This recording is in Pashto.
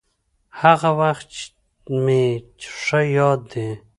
هغه وخت مې ښه ياد دي.